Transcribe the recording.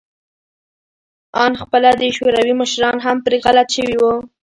آن خپله د شوروي مشران هم پرې غلط شوي وو